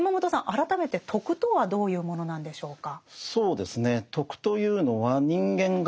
改めて「徳」とはどういうものなんでしょうか？